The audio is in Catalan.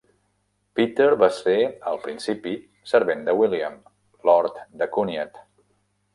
Peter va ser al principi servent de William, Lord de Cunhiat.